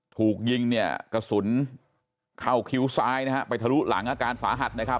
ถูกยิงเนี่ยกระสุนเข้าคิ้วซ้ายนะฮะไปทะลุหลังอาการสาหัสนะครับ